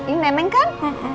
ini nenek kan